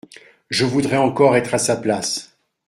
Je voudrais encore être à sa place.